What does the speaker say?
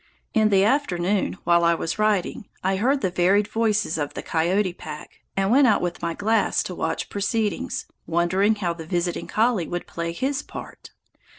In the afternoon, while I was writing, I heard the varied voices of the coyote pack, and went out with my glass to watch proceedings, wondering how the visiting collie would play his part.